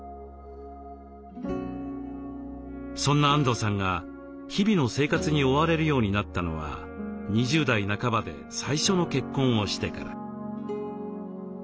そんなあんどうさんが日々の生活に追われるようになったのは２０代半ばで最初の結婚をしてから。